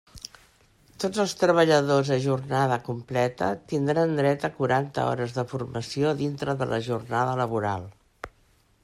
Tots els treballadors a jornada completa tindran dret a quaranta hores de formació dintre de la jornada laboral.